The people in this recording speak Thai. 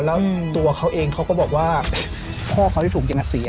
แล้วตัวเขาเองเขาก็บอกว่าพ่อเขาที่ถูกยิงเสีย